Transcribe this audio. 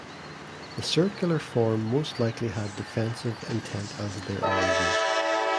The circular form most likely had defensive intent as their origin.